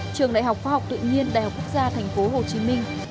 trường đại học khoa học tự nhiên đại học quốc gia tp hcm